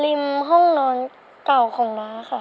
ริมห้องนอนเก่าของน้าค่ะ